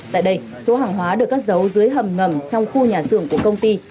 tại đây số hàng hóa được cất giấu dưới hầm ngầm trong khu nhà xưởng của công ty